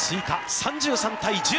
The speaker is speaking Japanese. ３３対１０。